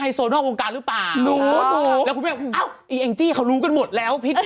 ยอะไรแล้ว